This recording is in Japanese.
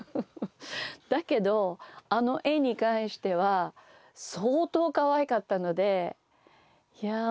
だけどあの絵に関しては相当かわいかったのでいや